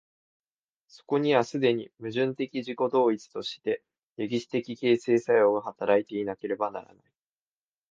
そこには既に矛盾的自己同一として歴史的形成作用が働いていなければならない。